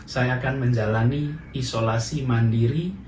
saya akan menjalani isolasi mandiri